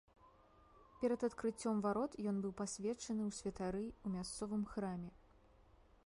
Перад адкрыццём варот ён быў пасвечаны ў святары ў мясцовым храме.